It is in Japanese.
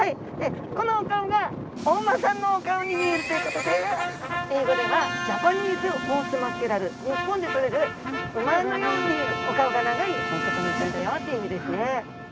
このお顔がお馬さんのお顔に見えるということで英語ではジャパニーズホースマッケレル日本でとれる馬のようにお顔が長いお魚ちゃんだよっていう意味ですね。